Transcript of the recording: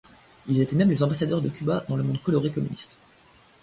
Ils étaient même les ambassadeurs de Cuba dans le monde coloré communiste.